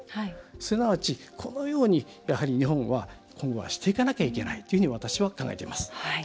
すなわち、このように日本は今後はしていかないといけないと私は考えています。